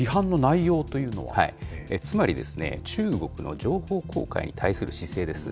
つまり、中国の情報公開に対する姿勢です。